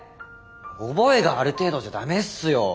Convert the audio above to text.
覚えがある程度じゃダメっすよ。